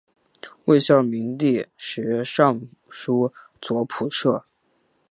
魏孝明帝时尚书左仆射。